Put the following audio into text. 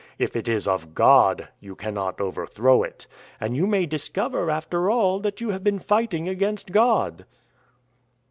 If it is of God, you cannot overthrow it. And you may discover, after all, that you. have been fighting against God."